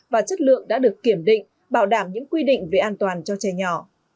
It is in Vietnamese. và chất lượng đã được kiểm định bảo đảm những quy định về an toàn cho trẻ nhỏ